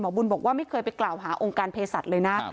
บุญบอกว่าไม่เคยไปกล่าวหาองค์การเพศสัตว์เลยนะ